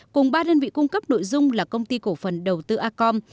cùng ba đơn vị cung cấp nội dung là công ty cổ phần đầu tư acom